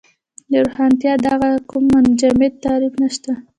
د روښانتیا داسې کوم منجمد تعریف نشته.